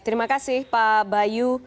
terima kasih pak bayu